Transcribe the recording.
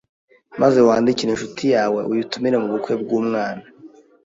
maze wandikire inshuti yawe uyitumira mu bukwe bw’ umwana